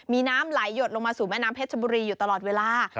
มีน้ำไหลหยดลงมาสู่แม่น้ำเพชรบุรีอยู่ตลอดเวลา